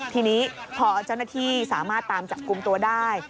ทีนี้พอเจ้าหน้าที่สามารถตามจับกลุ่มตัวได้